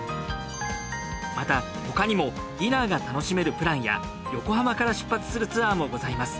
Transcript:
また他にもディナーが楽しめるプランや横浜から出発するツアーもございます。